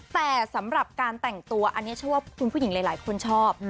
แต่สำหรับการแต่งตัวอันนี้เชื่อว่าคุณผู้หญิงหลายคนชอบ